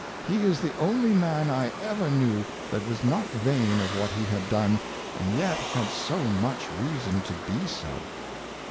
He is the only man I ever knew that was not vain of what he had done, and yet had so much reason to be so."